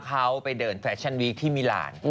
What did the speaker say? เขาไปเดินแฟชั่นวีคที่มิลาน